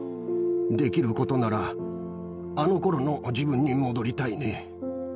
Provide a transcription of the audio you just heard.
できることなら、あのころの自分に戻りたいね。